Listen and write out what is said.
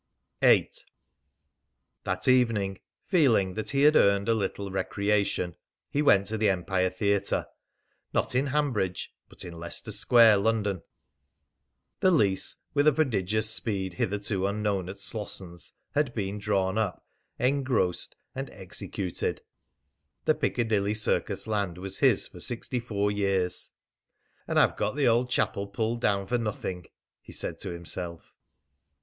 VIII. That evening, feeling that he had earned a little recreation, he went to the Empire Theatre not in Hanbridge, but in Leicester Square, London. The lease, with a prodigious speed hitherto unknown at Slossons, had been drawn up, engrossed, and executed. The Piccadilly Circus land was his for sixty four years. "And I've got the old chapel pulled down for nothing," he said to himself.